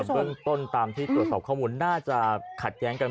เบื้องต้นตามที่ตรวจสอบข้อมูลน่าจะขัดแย้งกัน